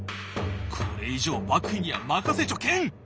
これ以上幕府には任せちょけん！